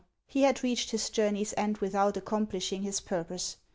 He had reached his journey's end without accom plishing his purpose.